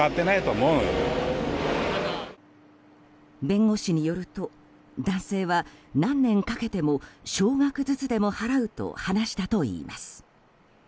弁護士によると男性は何年かけても少額ずつでも払うと話したといいます。